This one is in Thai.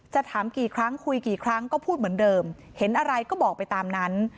ถามกี่ครั้งคุยกี่ครั้งก็พูดเหมือนเดิมเห็นอะไรก็บอกไปตามนั้น